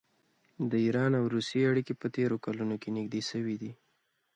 د ایران او روسیې اړیکې په تېرو کلونو کې نږدې شوي دي.